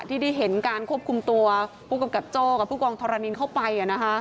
ที่ได้เห็นการควบคุมตัวผู้กำกับโจ้กับผู้กองธรณินเข้าไป